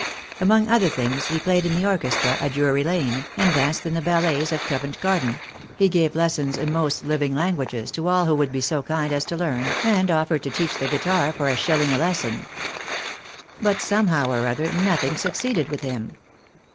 Among other things he played in the orchestra at Drury Lane, and danced in the ballets at Covent Garden — he gave lessons in most living languages to all who would be so kind as to learn, and offered to teach the guitar for a shilling a lesson. But somehow or other nothing succeeded with him.